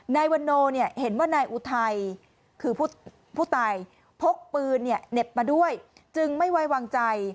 นายวันโนเห็นว่านายอุทัยคือผู้ตายพกปืนเหน็บมาด้วยจึงไม่ไว้วางใจ